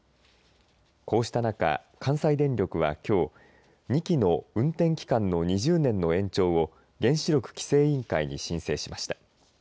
こうした中、関西電力はきょう２基の運転期間の２０年の延長を原子力規制委員会に申請しました。